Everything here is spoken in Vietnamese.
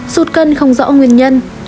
năm sụt cân không rõ nguyên nhân